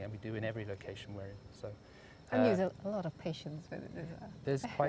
dan kami melakukan itu di setiap lokasi